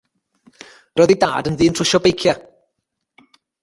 Roedd ei dad yn ddyn trwsio beiciau.